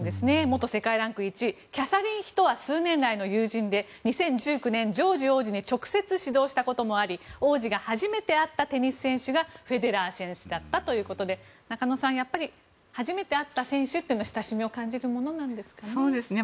元世界ランク１位キャサリン妃とは数年来の友人で２０１９年にはジョージ王子に直接指導したこともあり王子が初めて会ったテニス選手がフェデラー選手だったということで中野さん、やっぱり初めて会った選手には親しみを感じるものですかね。